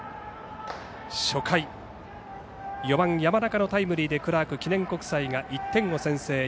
初回、４番の山中のタイムリーでクラーク記念国際が１点を先制。